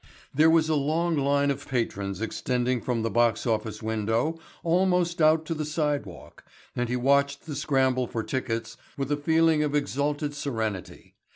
There was a long line of patrons extending from the box office window almost out to the sidewalk and he watched the scramble for tickets with a feeling of exalted serenity.